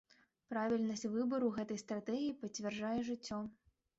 Правільнасць выбару гэтай стратэгіі пацвярджае жыццё.